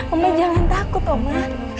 oma jangan takut oma